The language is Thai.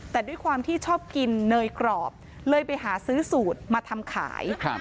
แต่ด้วยความที่ชอบกินเนยกรอบเลยไปหาซื้อสูตรมาทำขายครับ